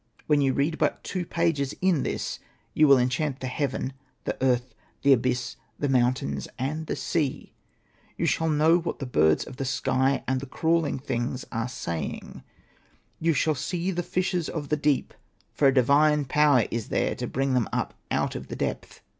When you read but two pages in this you will enchant the heaven, the earth, the abyss, the mountains, and the sea ; you shall know what the birds of the sky and the crawling things are saying ; you shall see the fishes of the deep, for a divine power is there to bring them up out of the depth.